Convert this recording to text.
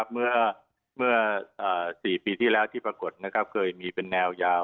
เมื่อ๔ปีที่แล้วที่ปรากฏเคยมีเป็นแนวยาว